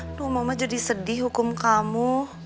aduh mama jadi sedih hukum kamu